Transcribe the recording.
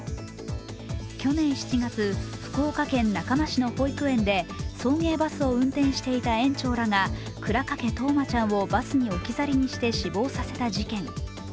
去年７月、福岡県中間市の保育園で送迎バスを運転していた園長らが倉掛冬生ちゃんをバスに置き去りにして死亡させた事件。